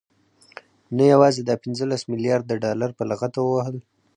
نه يوازې دا پنځلس مليارده ډالر په لغته ووهل،